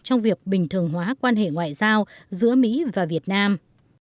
trong việc bình thường hóa quan hệ ngoại giao giữa mỹ và việt nam